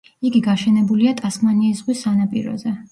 იგი გაშენებულია ტასმანიის ზღვის სანაპიროზე.